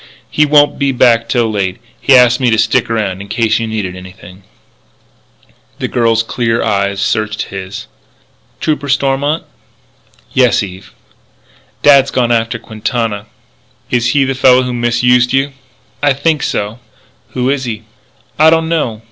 "He won't be back till late. He asked me to stick around in case you needed anything " The girl's clear eyes searched his. "Trooper Stormont?" "Yes, Eve." "Dad's gone after Quintana." "Is he the fellow who misused you?" "I think so." "Who is he?" "I don't know."